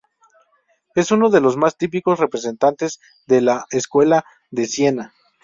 Es uno de los más típicos representantes de la escuela de Siena.